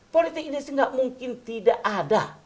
politik identitas itu nggak mungkin tidak ada